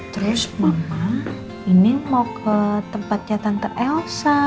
terus mama ini mau ke tempatnya tante elsa